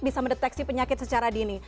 bisa mendeteksi penyakit secara dini